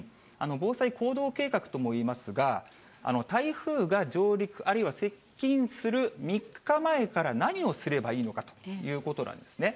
防災行動計画ともいいますが、台風が上陸、あるいは接近する３日前から何をすればいいのかということなんですね。